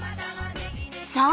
そう！